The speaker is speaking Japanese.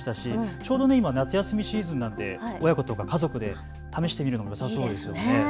ちょうど今、夏休みシーズンなので親子で試してみるのもよさそうですね。